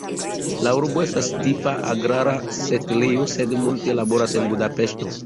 La urbo estas tipa agrara setlejo, sed multe laboras en Budapeŝto.